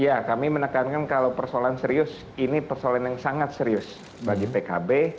ya kami menekankan kalau persoalan serius ini persoalan yang sangat serius bagi pkb